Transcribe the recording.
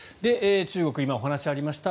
中国、今お話がありました